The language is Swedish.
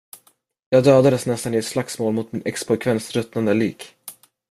Jag dödades nästan i slagsmål mot din expojkväns ruttnande lik.